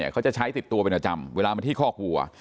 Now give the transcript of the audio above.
เขาจะใช้ติดตัวเป็นประจำเวลามาที่คอกวัว